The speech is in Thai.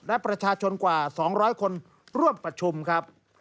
และประชาชนกว่า๒๐๐คนร่วมประชุมครับ